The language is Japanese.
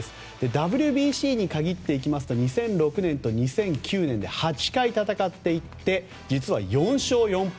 ＷＢＣに限っていきますと２００６年と２００９年で８回戦っていって実は４勝４敗。